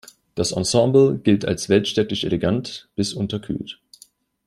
Das Ensemble gilt als weltstädtisch-elegant bis unterkühlt.